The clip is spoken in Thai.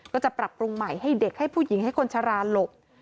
ก็จะปรับปรุงใหม่ให้เด็กให้ผู้หญิงให้คนชะลาหลบ